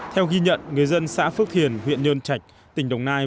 theo ghi nhận người dân xã phước thiền huyện nhơn trạch tỉnh đồng nai